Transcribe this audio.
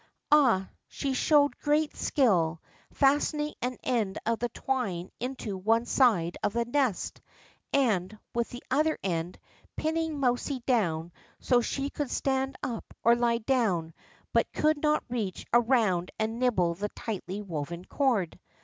Ah, she showed great skill, fastening an end of the twine into one side of the nest, and, with the other end, pinning mousie down so she could stand up or lie down, but could not reach around and nibble the tightly woven cord.